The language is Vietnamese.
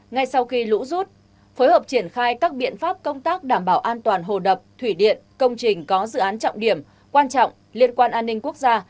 ngay sau khi lũ rút phối hợp triển khai các biện pháp công tác đảm bảo an toàn hồ đập thủy điện công trình có dự án trọng điểm quan trọng liên quan an ninh quốc gia